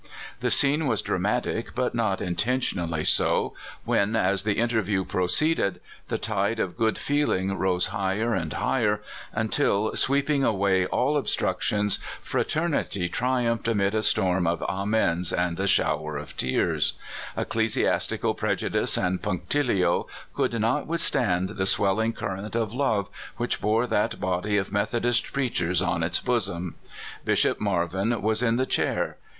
The scene was dramatic, but not intentionally so, when, as the interview proceeded, the tide of good feeling rose higher and higher, until, sweeping away aU 140 Dr. Eleazar Thomas. obstructions, fraternity triumphed amid a storm of Amens and a slio^ver of tears. Ecclesiastical prej' udice and punctilio could not withstand the swell ing current of love which bore that body of Meth odist preachers on its bosom. Bishop Marvin waa in the chair.